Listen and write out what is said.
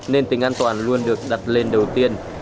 nên tính an toàn luôn được đặt lên đầu tiên